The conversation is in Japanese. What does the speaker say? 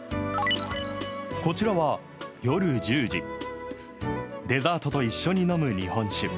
こちらは夜１０時、デザートと一緒に飲む日本酒。